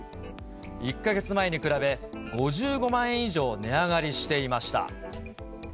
１か月前に比べ、５５万円以上値上がりしていました。